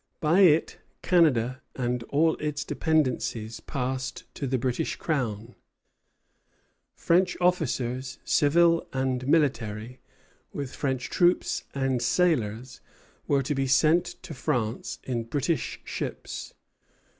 By it Canada and all its dependencies passed to the British Crown. French officers, civil and military, with French troops and sailors, were to be sent to France in British ships.